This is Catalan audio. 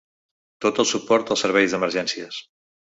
Tot el suport als serveis d'emergències.